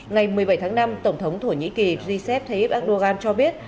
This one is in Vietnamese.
ngày một mươi bảy tháng năm tổng thống thổ nhĩ kỳ rcep tayyip erdogan cho biết